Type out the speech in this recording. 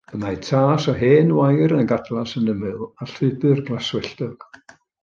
Y mae tas o hen wair yn y gadlas yn ymyl, a llwybr glaswelltog.